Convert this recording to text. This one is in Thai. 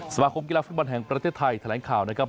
สมาคมกีฬาฟุตบอลแห่งประเทศไทยแถลงข่าวนะครับ